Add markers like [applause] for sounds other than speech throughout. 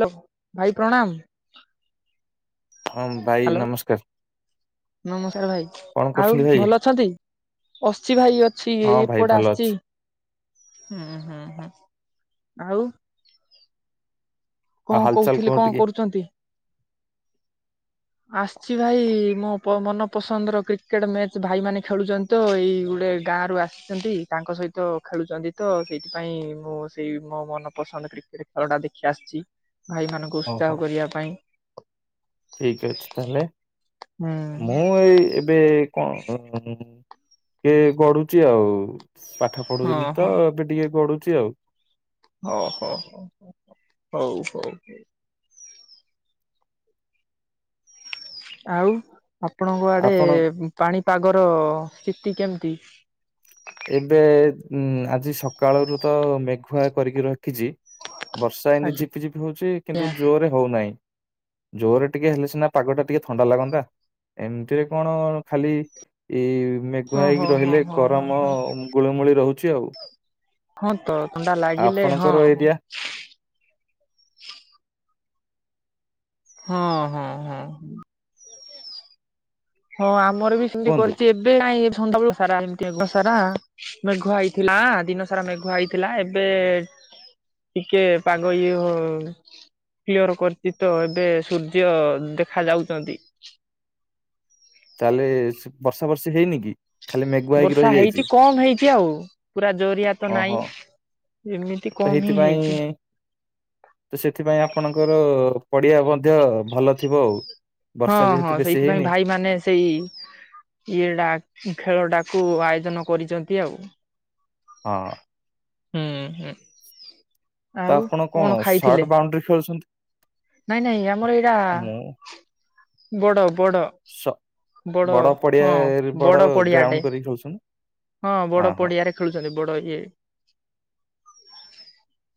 Hello ଭାଇ ପ୍ରଣାମ। ହଁ ଭାଇ ହ୍ୟାଲୋ ନମସ୍କାର। ନମସ୍କାର ଭାଇ କଣ ଆଉ କରୁଛନ୍ତି ଭାଇ? ଭଲ ଅଛନ୍ତି। ଅଛି ଭାଇ ଅଛି ଏ ହଁ ଭାଇ ଏପଟେ ଭଲ ଅଛି। ଆସିଛି। ହୁଁ ହୁଁ ହଁ ଆଉ। ଆଉ କଣ ହାଲଚାଲ କହୁଥିଲି କୁହ କଣ ଟିକେ? କରୁଛନ୍ତି? ଆସିଛି ଭାଇ ମୋ ମନପସନ୍ଦର କ୍ରିକେଟ ମ୍ୟାଚ ଭାଇ ମନେ ଖେଳୁଛନ୍ତି। ତ ଏଇ ଗୋଟେ ଗାଁରୁ ଆସିଛନ୍ତି ତାଙ୍କ ସହିତ ଖେଳୁଛନ୍ତି ତ ସେଇଥିପାଇଁ ମୁଁ ସେଇ ମୋ ମନ ପସନ୍ଦ କ୍ରିକେଟ ଖେଳଟା ଦେଖି ଆସିଛି ଭାଇମାନାନଙ୍କୁ ଓହୋ ଉତ୍ସାହ କରିବା ପାଇଁ। ଠିକ ଅଛି ତାହେଲେ ହୁଁ। ମୁଁ ଏଇ ଏବେ କଣ କିଏ ଗଢୁଛି ଆଉ ପାଠ ହଁ ପଢୁଥିଲି ତ ହଁ। ଏବେ ଟିକେ ଗଢୁଛି ଆଉ। ହଁ ହୋ ହ ହଉ ହଉ ହଉ। ଆଉ ଆପଣଙ୍କ ଆଡେ ଆପଣ ପାଣିପାଗର ସ୍ଥିତି କେମିତି? ଏବେ ଆଜି ସକାଳରୁ ତ ମେଘୁଆ କରିକି ରଖିଛି। ବର୍ଷା ଏମିତି ଝିପିଝିପି ହଉଛି ଆଜ୍ଞା କିନ୍ତୁ ଜୋର ରେ ହଉନାହିଁ। ଜୋରରେ ଟିକେ ହେଲେ ସିନା ପାଗଟା ଟିକେ ଥଣ୍ଡା ଲାଗନ୍ତା। ଏମିତିରେ କଣ ଖାଲି ଏଇ ମେଘୁଆ ଓହୋ ହେଇକି ହୋ ରହିଲେ ହୋ ହୋ ଗରମ। ହୋ ଗୁଳିମୂଳି ରହୁଛି ଆଉ। ହଁ ତ ଥଣ୍ଡା ଲାଗିଲେ ହଁ। ଆପଣଙ୍କର ଏରିଆ ହଁ ହଁ ହଁ। ହଁ ଆମର ବି ସେମିତି କୁହନ୍ତୁ କରିଛି ଏବେ କାଇଁ ସନ୍ଧ୍ୟାବେଳ ସାରା ଏମିତି ସାରା ମେଘୁଆ ହେଇଥିଲା ଦିନ ସାରା ମେଘୁ ହେଇଥିଲା ଏବେ ଟିକେ ପାଗ ଇ ହଉ କ୍ଲିୟର କରିଛି ତ ଏବେ ସୂର୍ଯ୍ୟ ଦେଖା ଯାଉଛନ୍ତି ତାହେଲେ ବର୍ଷା ବର୍ଷେ ହେଇନି କି? ଖାଲି ମେଘୁଆ ହେଇକି ବର୍ଷା ରହିଯାଇଛି ହେଇଛି କମ ହେଇଛି ଆଉ ପୁରା ଜରିଆ ତ ଓହୋ ନହିଁ ଏମିତି ତ କମ ହିଁ ହେଇଛି। ସେଇଥିପାଇଁ ତ ସେଥିପାଇଁ ଆପଣଙ୍କର ପଡିଆ ମଧ୍ୟ ଭଲ ଥିବ ଆଉ ହଁ ବର୍ଷା ଯେହେତୁ ହଁ ବେଶୀ ସେଇଥିପାଇଁ ହେଇନି ଭାଇ ମାନେ ସେଇ ଇଏଟା ଖେଳଟାକୁ ଆୟୋଜନ କରିଛନ୍ତି ଆଉ ହଁ ହୁଁ ହୁଁ। ତ ଆଉ ଆପଣ କଣ ସର୍ଟ ଖାଇଥିଲେ ବାଉଣ୍ଡ୍ରି ଖେଳୁଛନ୍ତି? ନାଇଁ ନାଇଁ ଆମର ଏଇଟା ମୁଁ ବଡ ବଡ ସ ବଡ ହଁ ପଡିଆରେ ବଡ ଗ୍ରାଉଣ୍ଡ ପଡିଆଟେ। କରିକି ଖେଳୁଛନ୍ତି ହଁ ହଁ ବଡ ହଁ ପଡିଆରେ ଖେଳୁଛନ୍ତି ବଡ ଇଏ।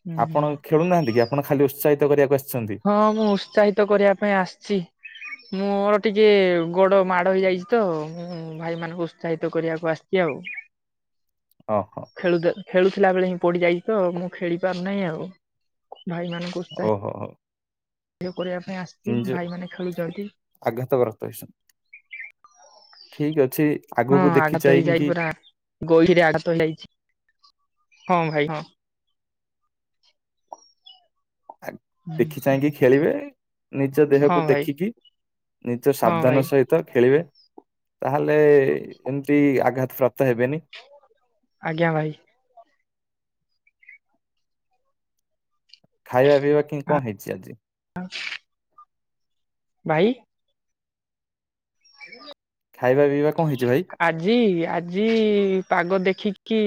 ହୁଁ ହୁଁ। ଆପଣ ଖେଳୁନାହାନ୍ତି କି ଆପଣ ଖାଲି ଉତ୍ସାହିତ କରିବାକୁ ଆସିଛନ୍ତି। ହଁ ମୁଁ ଉତ୍ସାହିତ କରିବା ପାଇଁ ଆସିଛି। ମୋର ଟିକେ ଗୋଡ ମାଡ ହେଇଯାଇଛି ତ ଭାଇ ମାନଙ୍କୁ ଉତ୍ସାହିତ କରିବାକୁ ଆସିଛି ଆଉ। ଓହୋ ଖେଳୁ ଖେଳୁଥିଲା ବେଳେ ହିଁ ପଡିଯାଇଛି ତ ମୁଁ ଖେଳି ପାରୁନାହିଁ ଆଉ ଭାଇ ଉତ୍ସାହିତ ଓହୋ ହୋ କରିବା ପାଇଁ ଆସିଛି ନିଜ ଭାଇମାନେ ଖେଳୁଛନ୍ତି। ଆଘାତ ଗସ୍ତ ହେଇଛନ୍ତି ଠିକ ଅଛି ଆଗକୁ ଦେଖିଚାଇକି ଗହିରେ ଆଘାତ ହେଇଯାଇଛି ହଁ ଭାଇ ହଁ। ଆ ଦେଖି ଚାହିଁକି ଖେଳିବେ। ନିଜ ହଁ ଦେହକୁ ଭାଇ ଦେଖିକି ନିଜ ହଁ ଭାଇ ସାବଧାନ ସହିତ ଖେଳିବେ। ତାହେଲେ ଏମିତି ଆଘାତ ପ୍ରାପ୍ତ ହେବେନି। ଆଜ୍ଞା ଭାଇ। ଖାଇବା ପିଇବା କି କଣ ହେଇଛି ଆଜି? [unintelligible] ଭାଇ। [unintelligible] ଖାଇବା ପିଇବା କଣ ହେଇଛି ଭାଇ? ଆଜି ଆଜି ପାଗ ଦେଖିକି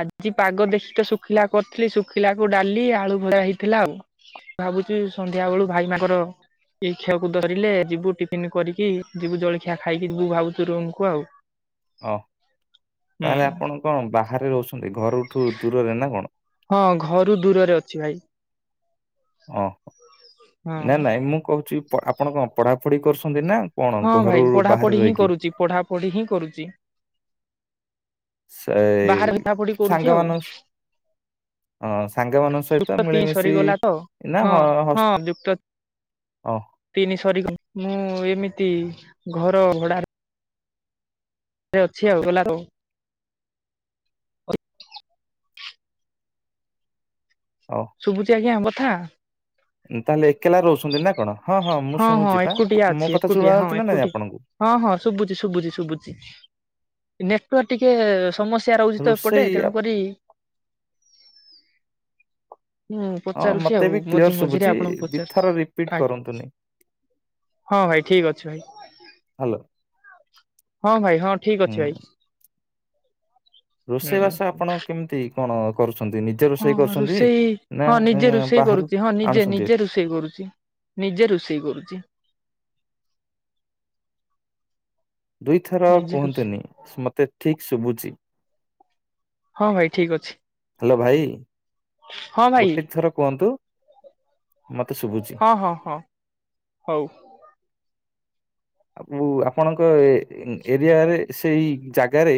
ଆଜି ପାଗ ଦେଖିକି ତ ଶୁଖିଲା କରିଥିଲି ଶୁଖିଲା କୁ ଡାଲି ଆଳୁ ଭଜା ହେଇଥିଲା ଆଉ। ଭାବୁଛିି ସନ୍ଧ୍ୟା ବେଳୁ ଭାଇ ତାଙ୍କର ଏଇ ଖିଅକୁ ଧରିଲେ ଯିବୁ ଟଫିନ୍ କରିକି ଯିବୁ ଜଳଖିଆ ଖାଇକି। ଯିବୁ ଭାବୁଛୁ ରୁମ କୁ ଆଉ। ଓହ ହୁଁ ତାହେଲେ ଆପଣ କଣ ବାହାରେ ରହୁଛନ୍ତି ଘରଠୁ ଦୂରରେ ନା କଣ? ହଁ ଘରୁ ଦୂରରେ ଅଛି ଭାଇ। ଓ ହଁ ନାଇ ନାଇଁ ମୁଁ କହୁଛି ଆପଣ କଣ ପଢାପଢି କରୁଛନ୍ତି ନା କଣ ହଁ ଘରୁ ଭାଇ ବାହାରେ ପଢାପଢି ହିଁ ରହିକି କରୁଛି ପଢାପଢି ହିଁ କରୁଛି। ସେଇ ବାହାରେ ପଢାପଢି କରୁଛି ସାଙ୍ଗ ଆଉ। ମାନସ। ହଁ ସାଙ୍ଗମାନଙ୍କ ସହିତ ତିନି ମିଳିମିଶି ସରିଗଲା ତ ନା ହ ହଁ ହଁ ଯୁକ୍ତ ତିନି ସରି ମୁଁ ଏମିତି ଘର ଭଡା ରେ ଅଛି ଆଉ ଗଲା ହଉ। ଶୁଭୁଚି ଆଜ୍ଞା କଥା? ତାହେଲେ ଏକଲା ରହୁଛନ୍ତି ନା କଣ ହଁ ହଁ ମୁଁ ହଁ ଶୁଣୁଛି ବା ଏକୁଟିଆ ଅଛି ମୋ କଥା ଏକୁଟିଆ ହଁ ଶୁଣଛି ନା ନାଇଁ ଏକୁଟିଆ। ଆପଣଙ୍କୁ? ହଁ ହଁ ଶୁଭୁଛି ଶୁଭୁଛି ଶୁଭୁଛି ନେଟୱାର୍ ଟିକେ ସମସ୍ୟା ରହୁଛି ତ ଏପଟେ ରୋଷେଇ ଆପ- ତେଣୁକରି। ମୁଁ ହଁ ପଚାରୁଛି ମତେ ଆଉ ବି ମଝି କ୍ଲିୟର ମଝିରେ ଶୁଭୁଛି ଆପଣଙ୍କୁ ଦି ପଚାରୁଛି। ଥର ରିପିଟ ଆଜ୍ଞା କରନ୍ତୁନି। ହଁ ଭାଇ ଠିକ୍ ଅଛି ଭାଇ। ହାଲୋ। ହଁ ଭାଇ ହଁ ଠିକ ଅଛି ଭାଇ। ରୋଷେଇ ହୁଁ। ବାସ ଆପଣ କେମିତି କଣ କରୁଛନ୍ତି ନି ହଁ ରୋଷେଇ ହଁ ନିଜେ ରୋଷେଇ ବାହାରୁ କରୁଛି ହଁ ନିଜେ ଆଣୁଛନ୍ତି ଭାରି? ନିଜେ ରୋଷେଇ। ରୋଷେଇ କରୁଚି ନିଜେ ରୋଷେଇ କରୁଚି। ଦୁଇଥର ନିଜେ ରୋଷେଇ କୁହନ୍ତୁନି ମତେ ଠିକ ଶୁଭୁଚି। ହଁ ଭାଇ ଠିକ୍ ଅଛି। ହାଲୋ ଭାଇ ହଁ ଭାଇ ଗୋଟେ ଥର କୁହନ୍ତୁ ମତେ ସୁୁଭୁଛି। ହଁ ହଁ ହଁ ହଉ। ଆ ପୁ ଆପଣଙ୍କ ଏ ଉଁ ଏରିଆରେ ସେଇ ଜାଗାରେ।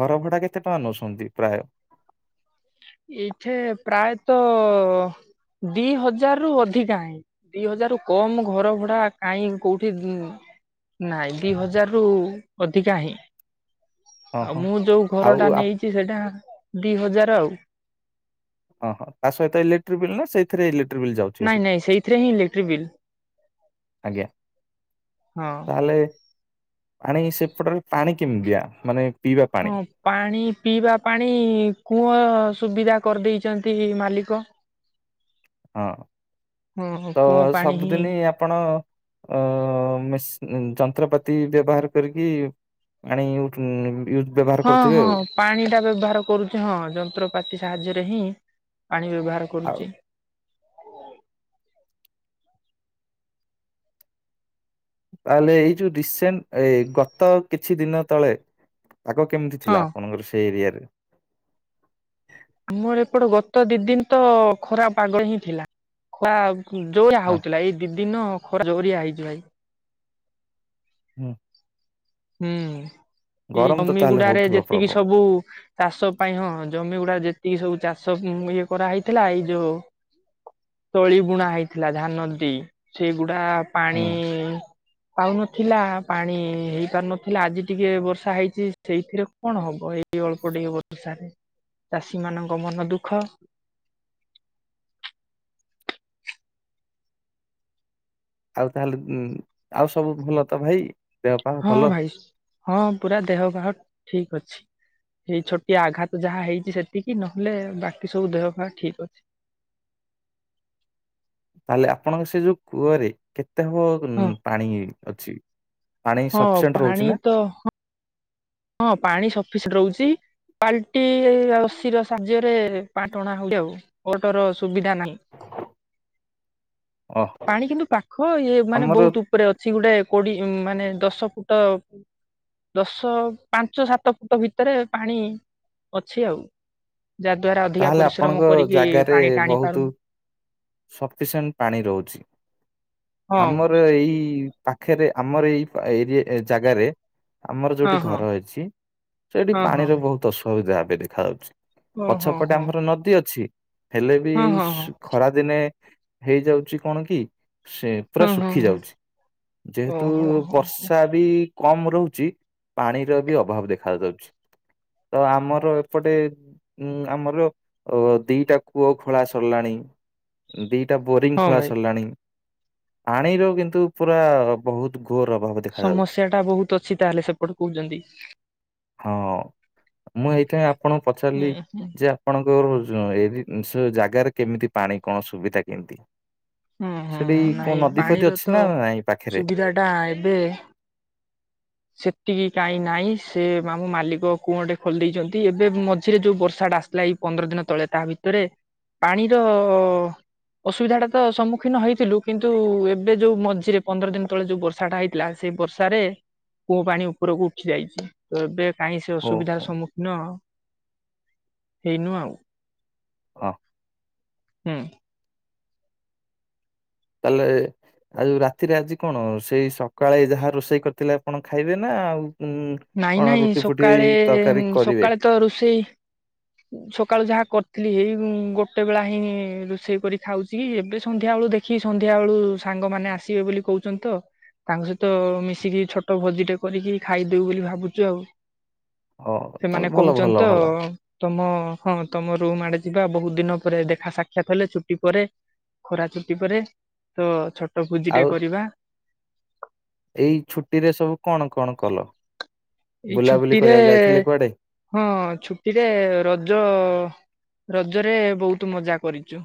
ଘର ଭଡା କେତେ ଟଙ୍କା ନଉଛନ୍ତି ପ୍ରାୟ। ଏଇଠେ ପ୍ରାୟତ ଦି ହଜାର ରୁ ଅଧିକା ହିଁ। ଦି ହଜାର ରୁ କମ ଘର ଭଡା କାହିଁ କୋଉଠି ଉଁ। ନାଇଁ ଦି ହଜାର ରୁ ଅଧିକା ହିଁ। ହଁ ଆଉ ହଁ ମୁଁ ଯୋଉ ଘର ଟା ଆଉ ନେଇଛି ସେଇଟା ଦି ହଜାର ଆଉ। ହଁ ହଁ ତା ସହିତ ଇଲେକ୍ଟ୍ରିକ ବିଲ୍ ନା ସେଇଥିରେ ଇଲେକ୍ଟ୍ରିକ ବିଲ୍ ଯାଉଛି ନାଇଁ ହାରି। ନାଇଁ ସେଇଥିରେ ହିଁ ଇଲେକ୍ଟ୍ରି ବିଲ୍ ଆଜ୍ଞା ହଁ। ତାହେଲେ। ପାଣି ସେପଟରେ ପାଣି କେମିତି ଦିଆ ମାନେ। ପିଇବା ପାଣି ହଁ। ପାଣି ପିଇବା ପାଣି କୁଅ ସୁବିଧା କରିଦେଇଛନ୍ତି ମାଲିକ। ହଁ ହଁ ତ କୂଅ ପାଣି ହିଁ ସବୁଦିନି ଆ ଆପଣ ଅ ମିସ୍ ଯନ୍ତ୍ରପାତି ବ୍ୟବହାର କରିକି। ପାଣି ଉଠ ୟୂଜ ହଁ ହଁ ପାଣି ଟା ବ୍ୟବହାର କରୁଛି ହଁ ଯନ୍ତ୍ରପାତି ସାହାଯ୍ୟରେ ହିଁ ପାଣି ବ୍ୟବହାର। ଆଉ କରୁଚି। ତାହେଲେ ଏଇ ଯୋଉ ରିସେଣ୍ଟ ଏ ଗତ କିଛି ଦିନ ତଳେ। ପାଗ ‌କେମିତି ହଁ ଥିଲା ଆପଣଙ୍କର ସେଇ ଏରିଆରେ। ଆମର ଏପଟେ ଗତ ଦି ଦିନ ତ ଖରା ପାଗ ହିଁ ଥିଲା। ଖରା ଜୋରିଆ ହଁ ହଉଥିଲା ଏଇ ଦି ଦିନ ଖରା ଜୋରିଆ ହେଇଛି ଭାଇ। ହୁଁ। ହୁଁ ଏଇ ଗରମ ତ ଜମି ତାହେଲେ ଗୁଡାରେ ହଉଥିବ ଯେତିକି ପ୍ରବଳ ସବୁ। ଚାଷ ପାଇଁ ହଁ ଜମି ଗୁଡା ଯେତିକି ସବୁ ଚାଷ ଇଏ କରା ହେଇଥିଲା ଏଇ ଯୋଉ। ତଳି ବୁଣା ହେଇଥିଲା ଧାନ ଦୀ ସେଗୁଡା। ପାଣି ହୁଁ ପାଉନଥିଲା ପାଣି ହେଇ। ପାରୁ ନଥିଲା ଆଜି ଟିକେ ବର୍ଷା ହେଇଛି ସେଇଥିରେ କଣ ହବ ଏଇ ଅଳ୍ପ ଟିକେ ବର୍ଷାରେ। ଚାଷୀ ମାନଙ୍କ ମନ ଦୁଃଖ। ଆଉ ତାହେଲେ ଉଁ ଆଉ ସବୁ ଭଲ ତ ଭାଇ। ଦେହ ପା ହଁ ଭଲ ଭାଇ ହଁ ପୁରା ଦେହ ପାହ ଠିକ ଅଛି। ଏଇ ଛୋଟିଆ ଆଘାତ ଯାହା ହେଇଛି ସେତିକି ନହେଲେ ବାକି ସବୁ ଦେହ ପାହା ଠିକ ଅଛି। ତାହେଲେ ଆପଣଙ୍କ ସେ ଯୋଉ କୂଅରେ କେତେ ହବ ଉଁ ହଁ ପାଣି ଅଛି। ପାଣି ହଁ ସଫିସେଣ୍ଟ ପାଣି ରହୁଛି ନା। ତ ହଁ ପାଣି ସଫିସେଟ୍ ରହୁଛି ବାଲଟି ଆଉ ରସି ର ସାହାଯ୍ୟରେ। ରେ ପାଣି ଟଣା ହଉଛି ଆଉ ମଟୋର ସୁବିଧା ନାହିଁ। ଓହ ପାଣି କିନ୍ତୁ ପାଖ ଇଏ ମାନେ ଆମର ବହୁତୁ। ଉପରେ ଅଛି ଗୋଟେ କୋଡି ମାନେ ଦଶ ଫୁଟ ଦଶ ପାଞ୍ଚ ସାତ ଫୁଟ ଭିତରେ ପାଣି ଅଛି ଆଉ। ଯାହା ଦ୍ୱାରା ଅଧିକା ତାହେଲେ ଆପଣଙ୍କ ପରିଶ୍ରମ କରିକି ଜାଗାରେ ପାଣି ଟାଣି ବହୁତ ପାରୁନୁ। ସଫିସିଏଣ୍ଟ ପାଣି ରହୁଛି ହଁ ଆମର ଏଇ ପାଖରେ ଆମର ଏଇ ଏରି ଜାଗାରେ ଆମର ହଁ ଯୋଉଠି ହଁ ଘର ଅଛି ସେଠି ହଁ ହଁ। ପାଣିର ବହୁତ ଅସୁବିଧା ଏବେ ଦେଖାଯାଉଛି। ଓହୋ ପଛପଟେ ହୋ ଆମର ନଦୀ ଅଛି ହେଲେ ବି ହଁ ଏଇ ହଁ ହଁ ଖରା ଦିନେ ହେଇଯାଉଛି କଣ କି ସେ ପୁରା ହଁ ହଁ ଶୁଖି ହଁ ହଁ ଯାଉଛି ଯେହେତୁ ଓହୋ ହୋ ହୋ ବର୍ଷା ବି କମ ରହୁଛି ପାଣିର ବି ଅଭାବ ଦେଖା ଯାଉଛି। ତ ଆମର ଏପଟେ ଉଁ ଆମର ଅ ଦିଟା କୂଅ ଖୋଳା ସରିଲାଣି। ଦିଟା ବୋରିଂ ହଁ ଖୋଳା ଭାଇ ସରିଲାଣି। ପାଣିର କିନ୍ତୁ ପୁରା ବହୁତ ଘୋର ଅଭାବ ଦେଖାଯାଉଛି ସମସ୍ୟା ଟା ବହୁତ ଅଛି ତାହେଲେ ସେପଟ କହୁଛନ୍ତି। ହଁ ମୁଁ ଏଇଥାଇ ଆପଣଙ୍କୁ ହୁଁ ପଚାରିଲି ହୁଁ ଯେ ଆପଣଙ୍କ ଏ ସ୍ ଜାଗାରେ କେମିତି ପାଣି କଣ ସୁବିଧା କେମିତି। ହୁଁ ହୁଁ ସେଠି ହୁଁ। କୋଉ ନାଇଁ ନଦୀଫଦି ପାଣିର ଅଛି ତ ନା ନାଇଁ ପାଖେରେ। ସୁବିଧା ଏବେ ସେତିକି କାଇଁ ନାଇଁ ସେ ଆମ ମାଲିକ କୁଅଁ ଟେ ଖୋଲି ଦେଇଛନ୍ତି ଏବେ ମଝିରେ ଯୋଉ ବର୍ଷା ଟା ଆସ ଲା ଏ ପନ୍ଦର ଦିନ ତଳେ ତା ଭିତରେ ପାଣିର ଅସୁବିଧା ଟା ତ ସମ୍ମୁଖୀନ ହେଇଥିଲୁ କିନ୍ତୁ ଏବେ ଯୋଉ ମଝିରେ ପନ୍ଦର ଦିନ ତଳେ ଯୋଉ ବର୍ଷାଟା ହେଇଥିଲା ସେ ବର୍ଷାରେ କୂଅ ପାଣି ଉପରକୁ ଉଠି ଯାଇଛି ତ ଏବେ କାହିଁ ସେ ହଁ ଅସୁବିଧାର ସମ୍ମୁଖୀନ ହେଇନୁ ଆଉ ହଁ ହୁଁ। ତାଲେ ଆଉ ରାତିରେ ଆଜି କଣ ସେଇ ସକାଳେ ଯାହା ରୋଷେଇ କରିଥିଲେ ଆପଣ ଖାଇବେ ନା ଆଉ ନାଇଁ କଣ ନାଇଁ ରୁଟି ଫୁଟିଏଇ ସକାଳେ ତରକାରୀ କରିବେ। ସକାଳେ ତ ରୋଷେଇ ସକାଳୁ ଯାହା କରିଥିଲି ଏଇ ଗୋଟେ ବେଳା ହିଁ ରୋଷେଇ କରି ଖାଉଛି ଏବେ ସନ୍ଧ୍ୟା ବେଳ ଦେଖ ଖୀ ସନ୍ଧ୍ୟା ବେଳୁ ସାଙ୍ଗମାନେ ଆସିବେ ବୋଲି କହୁଛନ୍ତି ତ। ତାଙ୍କ ସହିତ ମିଶିକି ଛୋଟ ଭୋଜିଟେ କରିକି ଖାଇଦଉ ବୋଲି ଭାବୁଛୁ ଆଉ। ଓ ତାହେଲେ ସେମାନେ ଭଲ ଭଲ କହୁଛନ୍ତି ତ ଭଲ ତମ ହଁ ତମ ରୁମ୍ ଆଡେ ଯିବା ବହୁତ ଦିନ ପରେ ଦେଖା ସାକ୍ଷାତ ହେଲେ ଛୁଟି ପରେ ଖରା ଚୁଟି ପରେ ତ ଛୋଟ ଭୋଜି ଟେ ଆଉ କରିବା। ଏଇ ଛୁଟି ରେ ସବୁ କଣ କଣ କଲ, ଏଇ ବୁଲାବୁଲି ଛୁଟିରେ କରିବାକୁ ଯାଇଥିଲେ କୁଆଡେ? ହଁ ଛୁଟିରେ ରଜ ରଜରେ ବହୁତ ମଜା କରିଛୁ।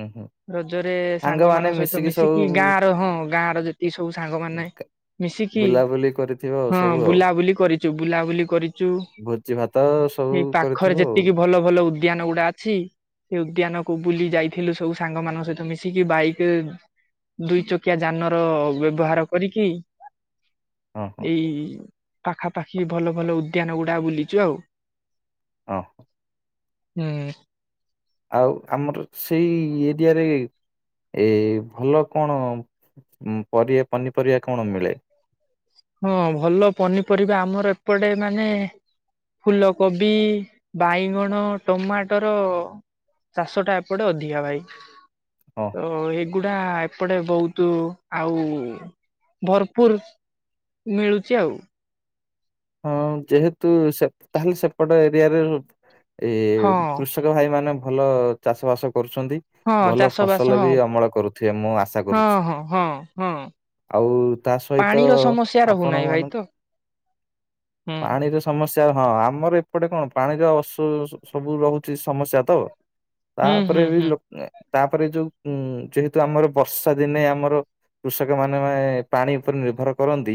ଉଁ ହୁଁ। ରଜରେ ସାଙ୍ଗମାନେ ସାଙ୍ଗମାନଙ୍କ ସହିତ ସବୁ ମିଶିକି ଗାଁ ର ହଁ ଗାଁ ର ଯେତିକି ସବୁ ସାଙ୍ଗ ମାନେ। ବୁଲାବୁଲି କରି ହଁ ବୁଲାବୁଲି କରିଚୁ ବୁଲାବୁଲି କରିଚୁ ଭୋଜି ଭାତ ସବୁ ଏଇ କରିଥିବ ପାଖରେ ଆଉ ଯେତିକି ଭଲ ଭଲ ଉଦ୍ୟାନ ଗୁଡା ଅଛି। ସେ ଉଦ୍ୟାନ କୁ ବୁଲି ଯାଇଥିଲୁ ସବୁ ସାଙ୍ଗ ମାନଙ୍କ ସହିତ ମିଶିକି ବାଇକ ରେ ଦୁଇ ଚକିଆ ଯାନର ବ୍ୟବହାର କରିକି। ହଁ ହଁ। ଏଇ ପାଖାପାଖି ଭଲ ଭଲ ଉଦ୍ୟାନ ଗୁଡା ବୁଲିଚୁ ଆଉ। ଅ ହ। ହୁଁ। ଆଉ ଆମର ସେଇ ଏରିଆରେ ଏ ଭଲ କଣ ପରି ପନିପରିବା କଣ ମିଳେ? ହଁ ଭଲ ପନିପରିବା ଆମର ଏପଟେ ମାନେ ଫୁଲକୋବି, ବାଇଗଣ, ଟମାଟର ଚାଷଟା ଏପଟେ ଅଧିକା ଭାଇ ହଁ ତ ଏଇ ଗୁଡା ଏପଟେ ବୋହୁତୁ ଆଉ ଭରପୁର ମିଳୁଚି ଆଉ। ହଁ ଯେହେତୁ ସେ ତାହେଲେ ସେପଟ ଏରିଆରେ ରୁ ଏ ହଁ କୃଷ୍ ରିଆର ଭାଇମାନେ ଭଲ ଚାଷ ବାସ କରୁଛନ୍ତି। ହଁ ଭଲ ଚାଷ ବାସ ଫସଲ ହଁ ବି ଅମଳ କରୁଥିବେ ମୁଁ ଆଶା ହଁ କରୁଛି। ହଁ ହଁ ହଁ ଆଉ ତା ସହିତ ପାଣିର ସମସ୍ୟା ଆପଣ ରହୁନାହିଁ ଭାଇ ତ ମାନଙ୍କୁ ହୁଁ ପାଣିର ସମସ୍ୟା ହଁ ଆମର ଏପଟେ କଣ ପାଣିର ଅସୁ ସୁ ସବୁ ରହୁଚି ସମସ୍ୟା ତ ହୁଁ ତାପରେ ହୁଁ ବି ହୁଁ ଲୋ ଏ ତାପରେ ଯୋଉ ଉଁ ଯେହେତୁ ଆମର ବର୍ଷା ଦିନେ ଆମର କୃଷକମାନେ ଭାଇ ପାଣି ଉପରେ ନିର୍ଭର କରନ୍ତି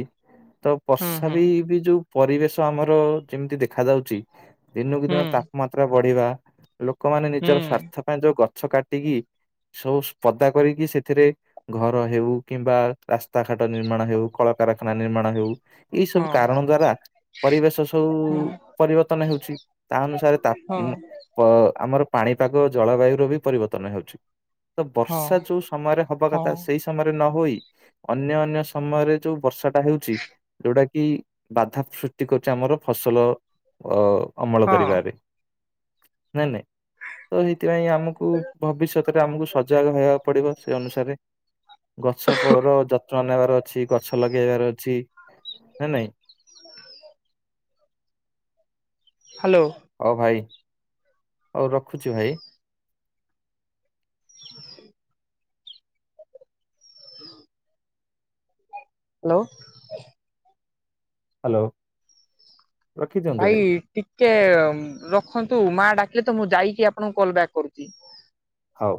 ତ ହୁଁ ବର୍ଷା ହୁଁ ବି ବି ଯୋଉ ପରିବେଶ ଆମର ଯେମତି ଦେଖାଯାଉଚି ଦିନକୁ ହୁଁ ଦିନ ତାପମାତ୍ରା ବଢିବା ଲୋକମାନେ ନିଜର ହୁଁ ସ୍ଵାର୍ଥ ପାଇଁ ଯୋଉ ଗଛ କାଟିକି ସବୁ ସ୍ପଦା କରିକି ସେଥିରେ ଘର ହେଉ, କିମ୍ବା ରାସ୍ତା ଘାଟ ନିର୍ମାଣ ହେଉ, କଳକାରଖାନା ନିର୍ମାଣ ହେଉ ଏଇ ହଁ ସବୁ କାରଣ ଦ୍ଵାରା ପରିବେଶ ସବୁ ହଁ ପରିବର୍ତ୍ତନ ହେଉଛି ତା ଅନୁସାରେ ତା ହଁ ମ ପ ଆମର ପାଣିପାଗ ଜଳବାୟୁର ବି ପରିବର୍ତ୍ତନ ହେଉଛି। ତ ହଁ ବର୍ଷା ଯୋଉ ସମୟରେ ହବା ହଁ କଥା ସେଇ ସମୟରେ ନହୋଇ ଅନ୍ୟ ଅନ୍ୟ ସମୟରେ ଯୋଉ ବର୍ଷାଟା ହେଉଛି ଯୋଉଟା କିି ବାଧା ସୃଷ୍ଟି କରୁଚି ଆମର ଫସଲ ଅ ଅମଳ ହଁ କରିବାରେ ନା ନାଇଁ ତ ସେଇଥିପାଇଁ ଆମକୁ ଭବିଷ୍ୟତରେ ଆମକୁ ସଜାଗ ରହିବାକୁ ପଡିବ ସେ ଅନୁସାରେ। ଗଛ ପର ଯତ୍ନ ନେବାର ଅଛି ଗଛ ଲଗେଇବାର ଅଛି ନ ନାଇଁ। ହାଲୋ। ଓ ଭାଇ ହୋଉ ରଖୁଚି ଭାଇ। ହାଲୋ। ହାଲୋ। ଭାଇ ଟିକେ ରଖନ୍ତୁ ମାଆ ଡାକିଲେ ତ ମୁଁ ଯାଇକି ଆପଣଙ୍କୁ କଲ୍ ବ୍ୟାକ୍ କରୁଚି। ହୋଉ।